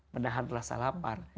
menahan rasa lapar